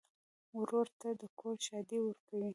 ورور ته د کور ښادي ورکوې.